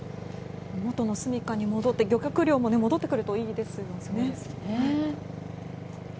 もとのすみかに戻って漁獲量も戻ってくるといいですよね。